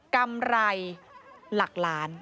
กำไรหลักล้าน